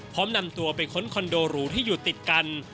นำตัวไปค้นคอนโดหรูที่อยู่ติดกัน